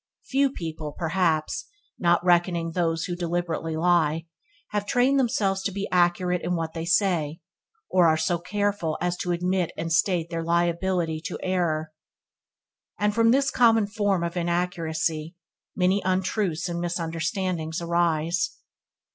Few people, perhaps (not reckoning those who deliberately lie), have trained themselves to be accurate in what they say, or are so careful as to admit and state their liability to error, and from this common form of inaccuracy many untruths and misunderstandings arise.